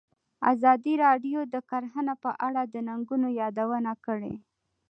ازادي راډیو د کرهنه په اړه د ننګونو یادونه کړې.